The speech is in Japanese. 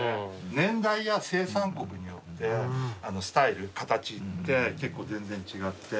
年代や生産国によってスタイル形って結構全然違って。